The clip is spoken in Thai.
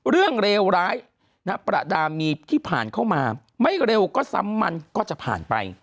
เลวร้ายประดามีที่ผ่านเข้ามาไม่เร็วก็ซ้ำมันก็จะผ่านไป